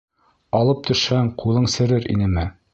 Алып төшһәң, ҡулың серер инеме?